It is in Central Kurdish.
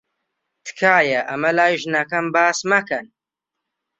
تکایە ئەمە لای ژنەکەم باس مەکەن.